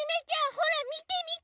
ほらみてみて！